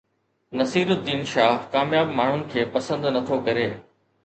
نصيرالدين شاهه ڪامياب ماڻهن کي پسند نٿو ڪري